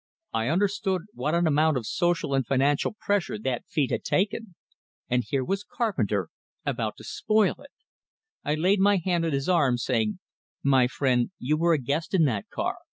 I understood what an amount of social and financial pressure that feat had taken; and here was Carpenter about to spoil it! I laid my hand on his arm, saying: "My friend, you were a guest in that car.